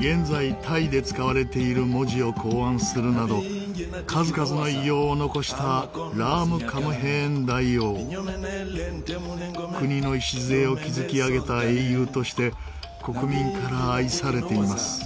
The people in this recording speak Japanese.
現在タイで使われている文字を考案するなど数々の偉業を残した国の礎を築き上げた英雄として国民から愛されています。